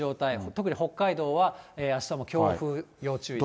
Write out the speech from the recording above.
特に北海道はあしたも強風要注意です。